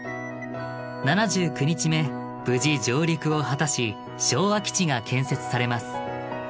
７９日目無事上陸を果たし昭和基地が建設されます。